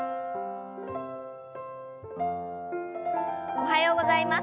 おはようございます。